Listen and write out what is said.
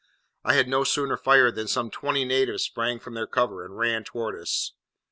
I had no sooner fired than some twenty natives sprang from their cover, and ran towards us.